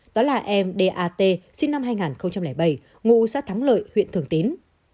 đó là em đ a t sinh năm hai nghìn bảy ngụ sát thắng lợi huyện thường tín